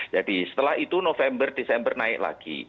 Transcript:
jadi setelah itu november desember naik lagi